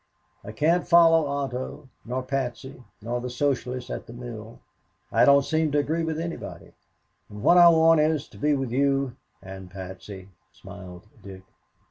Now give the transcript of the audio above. I can't follow Otto nor Patsy, nor the Socialists at the mill I don't seem to agree with anybody and what I want is to be with you " "And Patsy," smiled Dick.